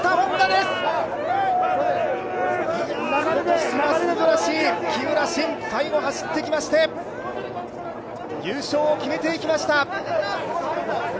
すばらしい木村慎、最後走っていきまして優勝を決めていきました。